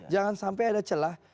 jangan sampai ada celah